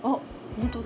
本当だ。